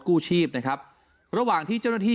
กู้ชีพนะครับระหว่างที่เจ้าหน้าที่